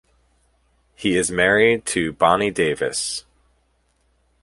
He is married to Bonnie Davis.